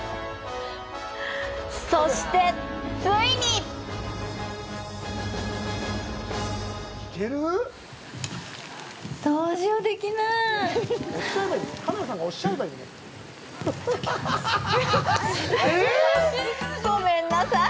そして、ついにごめんなさい。